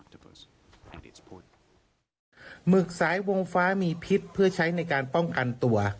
หมึกสายวงฟ้ามีพิษเพื่อใช้ในการป้องกันตัว